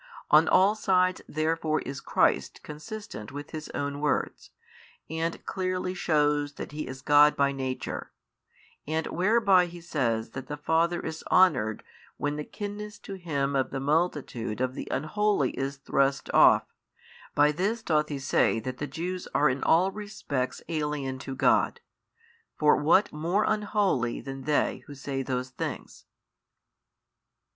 On all sides therefore is Christ consistent with His own words, and clearly shews that He is God by Nature, and whereby He says that the Father is honoured when the kinness to Him of the multitude of the unholy is thrust off, by this doth He say that the Jews are in all respects alien to God: for what more unholy than they who say those things?